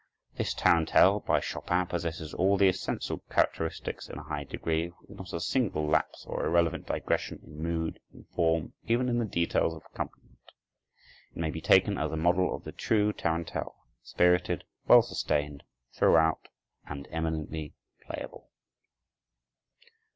This tarantelle by Chopin possesses all the essential characteristics in a high degree, with not a single lapse or irrelevant digression in mood, in form, even in the details of accompaniment. It may be taken as a model of the true tarantelle, spirited, well sustained throughout, and eminently playable.